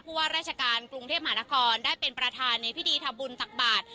ว่าราชการกรุงเทพมหานครได้เป็นประธานในพิธีทำบุญตักบาท